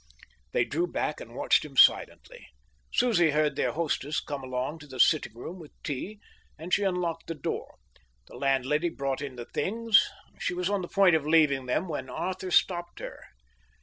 They drew back and watched him silently. Susie heard their hostess come along to the sitting room with tea, and she unlocked the door. The landlady brought in the things. She was on the point of leaving them when Arthur stopped her.